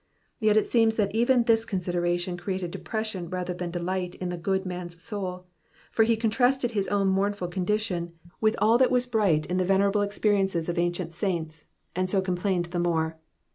Yet it seems that even this consideration created depression rather than delight in the good man's souL for he contrasted his own mournful condition with all that was bright in the venerable experiences of ancient saints, and so complained the more.